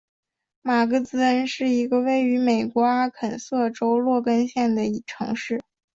马格兹恩是一个位于美国阿肯色州洛根县的城市。